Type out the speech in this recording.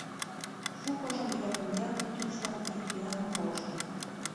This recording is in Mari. Шукыжым йырым-йыр кӱтыштын, йӱк-йӱаным колыштын.